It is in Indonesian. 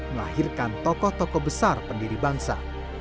melahirkan tokoh tokoh besar pendiri bangsa